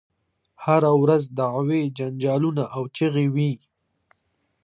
هره ورځ دعوې جنجالونه او چیغې وي.